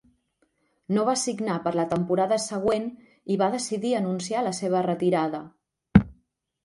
No va signar per la temporada següent i va decidir anunciar la seva retirada.